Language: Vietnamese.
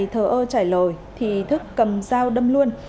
thờ ơ trả lời thức cầm dao đâm luôn